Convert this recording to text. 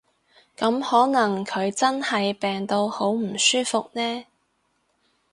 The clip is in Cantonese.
噉可能佢真係病到好唔舒服呢